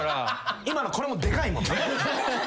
今のこれもでかいもんな。